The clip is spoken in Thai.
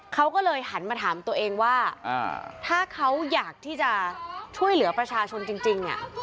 เขาก็เลยหันมาถามตัวเองว่าถ้าเขาอยากที่จะช่วยเหลือประชาชนจริง